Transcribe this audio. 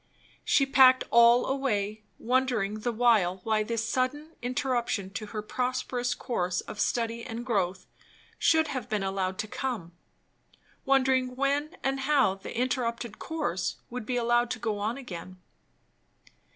She packed all away, wondering the while why this sudden interruption to her prosperous course of study and growth should have been allowed to come; wondering when and how the interrupted course would be allowed to go on again.